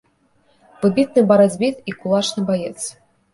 Выбітны барацьбіт і кулачны баец.